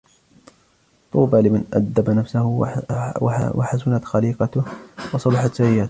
طُوبَى لِمَنْ أَدَّبَ نَفْسَهُ وَحَسُنَتْ خَلِيقَتُهُ ، وَصَلُحَتْ سَرِيرَتُهُ